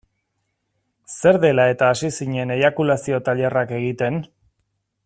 Zer dela-eta hasi zinen eiakulazio-tailerrak egiten?